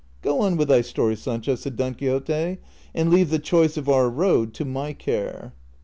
" Go on with thy story, Sancho," said Don Quixote, " and leave the choice of our road to my care."